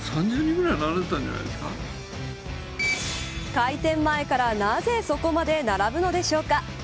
開店前からなぜそこまで並ぶのでしょうか。